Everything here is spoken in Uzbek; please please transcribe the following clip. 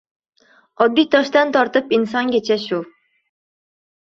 Oddiy toshdan tortib insongacha shu.